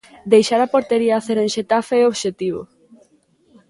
Deixar a portería a cero en Xetafe é o obxectivo.